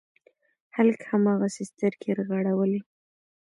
هلک هماغسې سترګې رغړولې.